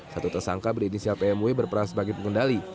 satu tersangka berinisial pmw berperan sebagai pengendali